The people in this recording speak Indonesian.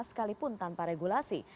sekalipun tanpa regulasi